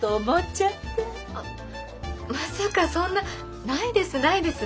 まさかそんなないですないです！